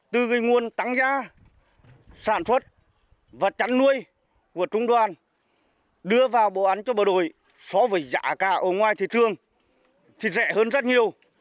từ nguồn tăng gia sản xuất và chăn nuôi của trung đoàn đưa vào bộ ăn cho bộ đội so với giá cả ở ngoài thị trường thì rẻ hơn rất nhiều